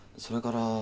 それから。